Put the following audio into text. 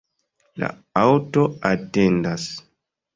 La aŭto atendas.